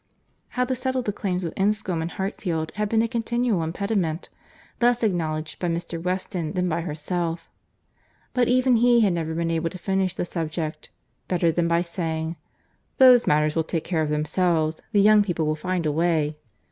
How to settle the claims of Enscombe and Hartfield had been a continual impediment—less acknowledged by Mr. Weston than by herself—but even he had never been able to finish the subject better than by saying—"Those matters will take care of themselves; the young people will find a way."